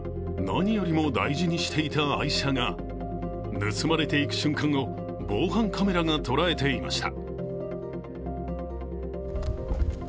何よりも大事にしていた愛車が盗まれていく瞬間を、防犯カメラが捉えていました。